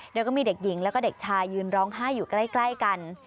โดยก็มีเด็กหญิงแล้วก็เด็กชายยืนร้องไห้อยู่ใกล้กัน